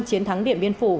chiến thắng điện biên phủ